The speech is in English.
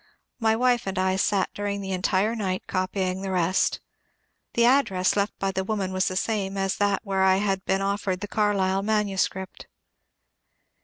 My wife and I sat during the entire night copying the rest. The address left by the woman was the same as that where I had been offered the Carlyle manu script.